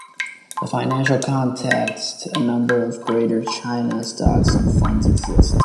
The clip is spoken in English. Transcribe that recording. In the financial context, a number of Greater China stocks and funds exist.